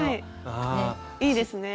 いいですね。